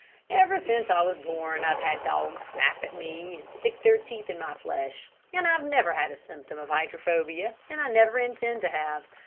Ever since I was born I've had dogs snap at me and stick their teeth in my flesh; and I've never had a symptom of hydrophobia, and never intend to have.